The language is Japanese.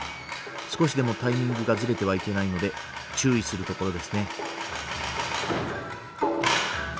少しでもタイミングがズレてはいけないので注意するところですね。